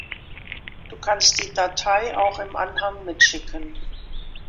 Du kannst die Datei auch im Anhang mitschicken.